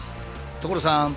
所さん！